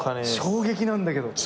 衝撃なんだけど。